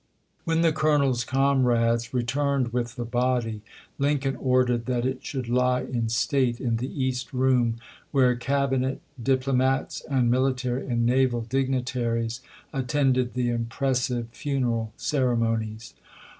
When the colonel's comrades returned with the body, Lincoln ordered that it should lie in state in the East Room, where Cabinet, diplomats, and military and naval dignitaries attended the im pressive funeral ceremonies.